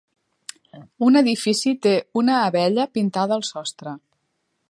Un edifici té una abella pintada al sostre.